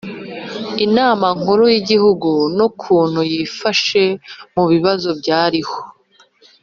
Inama Nkuru y'Igihugu n'ukuntu yifashe mu bibazo byariho;